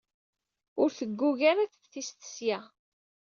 Ur teggug ara teftist seg-a.